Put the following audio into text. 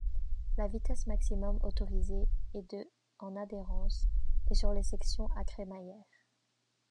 La vitesse maximum autorisée est de en adhérence, et sur les sections à crémaillère.